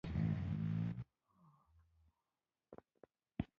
خو زه بېرته ځم موږ به نورې غزاګانې وكو.